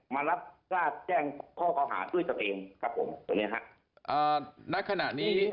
มานี้